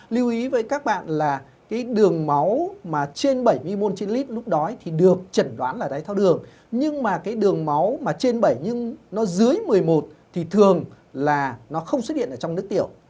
lưu ý với các bạn là cái đường máu mà trên bảy mươi một trên lít lúc đó thì được chẩn đoán là đáy thao đường nhưng mà cái đường máu mà trên bảy nhưng nó dưới một mươi một thì thường là nó không xuất hiện ở trong nước tiểu